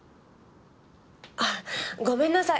あごめんなさい。